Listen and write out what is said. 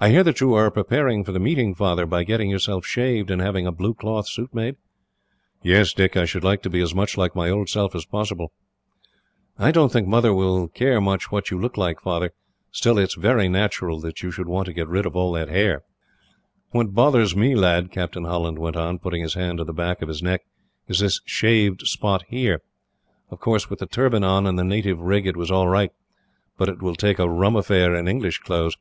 "I hear that you are preparing for the meeting, Father, by getting yourself shaved, and having a blue cloth suit made?" "Yes, Dick. I should like to be as much like my old self as possible." "I don't think Mother will care much what you look like, Father. Still, it is very natural that you should want to get rid of all that hair." "What bothers me, lad," Captain Holland went on, putting his hand to the back of his neck, "is this shaved spot here. Of course, with the turban on and the native rig, it was all right, but it will look a rum affair in English clothes."